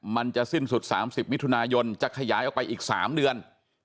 มันจะสิ้นสุด๓๐มิถุนายนจะขยายออกไปอีก๓เดือน